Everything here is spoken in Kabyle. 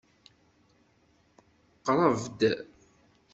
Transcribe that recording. Qṛeb-d!